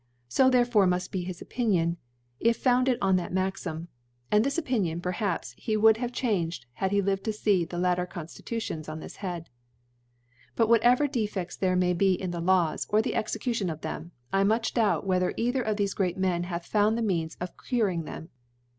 So therefore mufl be his Opinion, if founded on that Maxim; and this Opinion, perhaps, he would have changed, had he lived to fee the later Conftitutions oh this Head. But whatever Defefts there may be in the Laws, or in the Execuii'on of ihcm, I much doubt doubt whether either of thefe great Men hath found the Means of curing them.